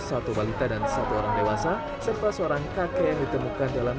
satu balita dan satu orang dewasa serta seorang kakek yang ditemukan dalam